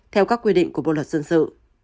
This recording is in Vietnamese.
theo các quy định của bộ luật dân sự